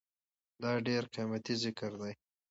دا ډير قيمتي ذکر دی